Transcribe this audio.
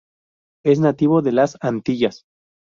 Es nativo de las Antillas.